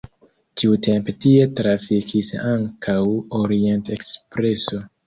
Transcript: Tiutempe tie trafikis ankaŭ Orient-ekspreso.